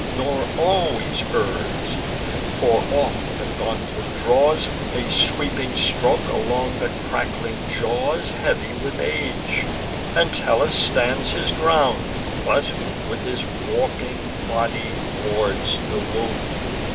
Nor always errs; for oft the gauntlet draws A sweeping stroke along the crackling jaws. Heavy with age, Entellus stands his ground, But with his warping body wards the wound.